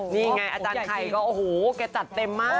นี่ไงอาจารย์ไข่ก็โอ้โหแกจัดเต็มมาก